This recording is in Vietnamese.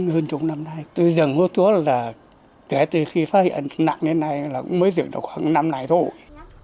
hơn chục năm nay tôi dừng thuốc là kể từ khi phát hiện nặng như thế này là mới dừng được khoảng năm nay thôi